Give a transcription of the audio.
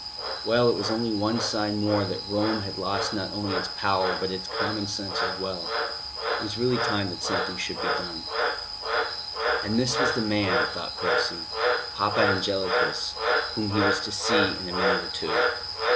Well, it was only one sign more that Rome had lost not only its power, but its common sense as well. It was really time that something should be done. And this was the man, thought Percy, Papa Angelicus, whom he was to see in a minute or two.